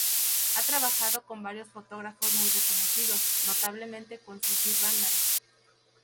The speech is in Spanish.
Ha trabajado con varios fotógrafos muy reconocidos, notablemente con Suze Randall.